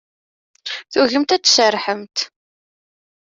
Tugimt ad tserrḥemt.